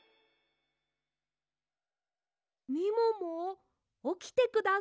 みももおきてください。